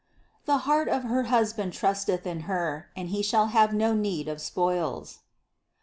775. "The heart of her husband trusteth in Her, and he shall have no need of spoils."